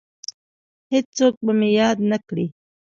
هیڅوک به مې یاد نه کړي